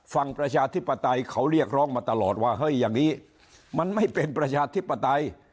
ประชาธิปไตยเขาเรียกร้องมาตลอดว่าเฮ้ยอย่างนี้มันไม่เป็นประชาธิปไตย